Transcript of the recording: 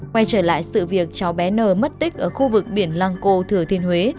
quay trở lại sự việc cháu bé n mất tích ở khu vực biển lăng cô thừa thiên huế